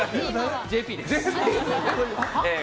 ＪＰです。